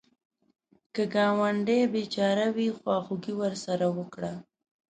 که ګاونډی بېچاره وي، خواخوږي ورسره وکړه